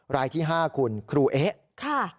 รายที่๕คุณครูเอ๊ะ